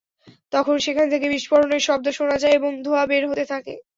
তখন সেখান থেকে বিস্ফোরণের শব্দ শোনা যায় এবং ধোঁয়া বের হতে থাকে।